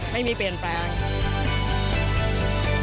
ไม่มีเปลี่ยนแปลง